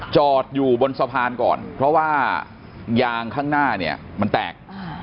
จอดอยู่บนสะพานก่อนเพราะว่ายางข้างหน้าเนี่ยมันแตก